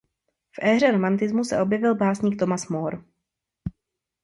V éře romantismu se objevil básník Thomas Moore.